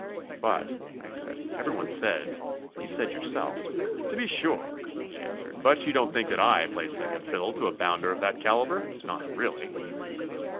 "But," I said, "everyone says; you said yourself...." "To be sure," he answered. "But you don't think that I play second fiddle to a bounder of that calibre. Not really?"